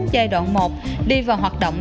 giai đoạn một đi vào hoạt động